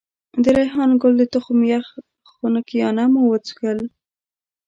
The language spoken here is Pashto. د ریحان ګل د تخم یخ خنکيانه مو وڅښل.